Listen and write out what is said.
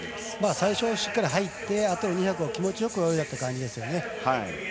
最初しっかり入ってあとの２００を気持ちよく泳いだ感じですね。